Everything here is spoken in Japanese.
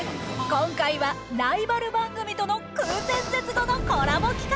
今回はライバル番組との空前絶後のコラボ企画。